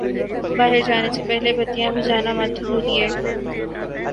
باہر جانے سے پہلے بتیاں بجھانا مت بھولئے